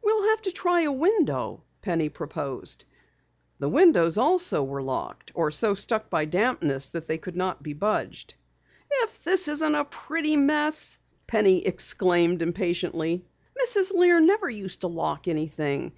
"We'll have to try a window," Penny proposed. The windows also were locked or so stuck by dampness that they could not be budged. "If this isn't a pretty mess!" Penny exclaimed impatiently. "Mrs. Lear never used to lock anything.